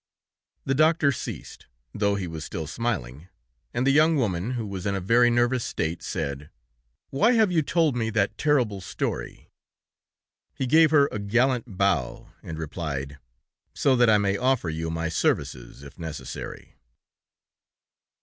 The doctor ceased, though he was still smiling, and the young woman, who was in a very nervous state, said: "Why have you told me that terrible story?" He gave her a gallant bow, and replied: "So that I may offer you my services, if necessary."